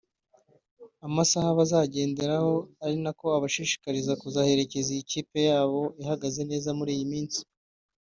amasaha bazagenderaho ari nako abashishikariza kuzaherekeza iyi kipe yabo ihagaze neza muri iyi minsi